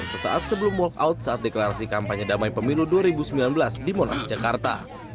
sesaat sebelum walkout saat deklarasi kampanye damai pemilu dua ribu sembilan belas di monas jakarta